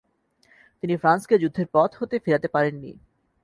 তিনি ফ্রান্সকে যুদ্ধের পথ হতে ফেরাতে পারেননি।